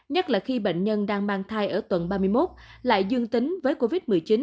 nhất là khi bệnh nhân đang mang thai ở tuần ba mươi một lại dương tính với covid một mươi chín